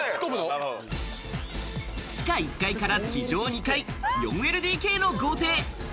地下１階から地上２階、４ＬＤＫの豪邸。